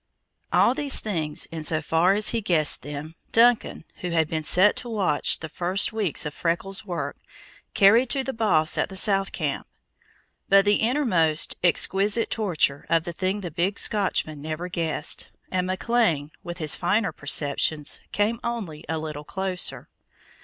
All these things, in so far as he guessed them, Duncan, who had been set to watch the first weeks of Freckles' work, carried to the Boss at the south camp; but the innermost, exquisite torture of the thing the big Scotchman never guessed, and McLean, with his finer perceptions, came only a little closer.